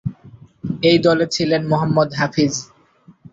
এই দলে ছিলেন মোহাম্মদ হাফিজ।